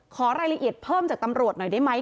ขอรายละเอียดเพิ่มจากตำรวจหน่อยได้ไหม